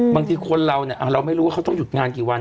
บางทีคนเราเนี่ยเราไม่รู้ว่าเขาต้องหยุดงานกี่วัน